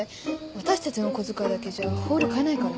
私たちの小遣いだけじゃホール買えないから。